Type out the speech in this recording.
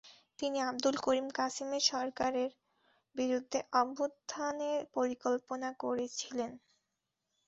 তিনি আবদুল করিম কাসিমের সরকারের বিরুদ্ধে অভ্যুত্থানের পরিকল্পনা করেছিলেন।